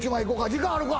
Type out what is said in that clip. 時間あるか？